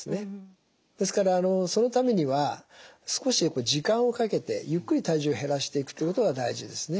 ですからそのためには少し時間をかけてゆっくり体重を減らしていくということが大事ですね。